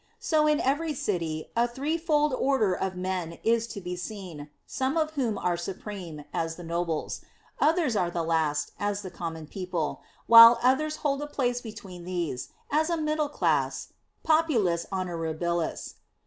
So in every city, a threefold order of men is to be seen, some of whom are supreme, as the nobles; others are the last, as the common people, while others hold a place between these, as the middle class [populus honorabilis].